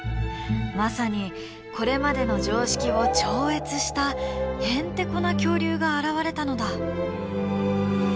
まさにこれまでの常識を超越したヘンテコな恐竜が現れたのだ。